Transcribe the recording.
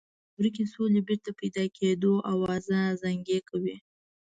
د ورکې سولې د بېرته پیدا کېدو آواز ازانګې کوي.